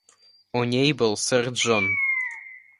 У ней был сэр Джон.